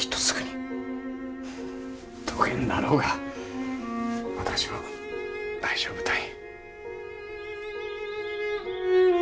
どげんなろうが私は大丈夫たい。